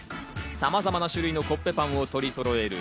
さまざまな種類のコッペパンを取りそろえる